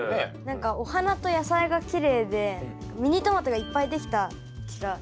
何かお花と野菜がきれいでミニトマトがいっぱいできた気がします。